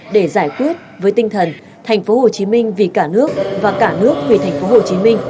để giải quyết với tinh thần tp hcm vì cả nước và cả nước vì tp hcm